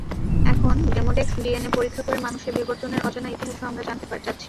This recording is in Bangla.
এখন ডেমোডেক্স ডিএনএ পরীক্ষা করে মানুষের বিবর্তনের অজানা ইতিহাসও আমরা জানতে যাচ্ছি।